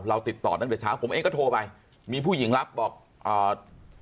ติดต่อตั้งแต่เช้าผมเองก็โทรไปมีผู้หญิงรับบอกอ่า